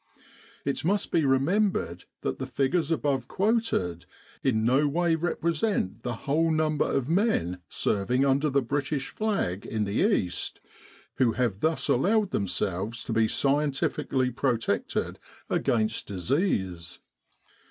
It must be remem bered that the figures above quoted in no way represent the whole number of men serving under the British flag in the East, who have thus allowed themselves to be scientifically protected against disease.